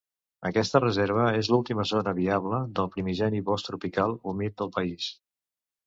Aquesta reserva és l'última zona viable del primigeni bosc tropical humit del país.